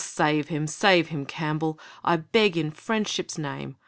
save him, save him, Campbell! I beg in friendship's name!